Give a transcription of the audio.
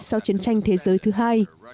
sau chiến tranh thế giới thứ hai